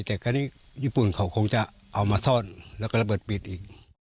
แต่คราวนี้ญี่ปุ่นเขาคงจะเอามาซ่อนแล้วก็ระเบิดปิดอีก